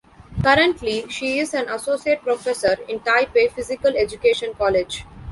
Currently, she is an associate professor in Taipei Physical Education College.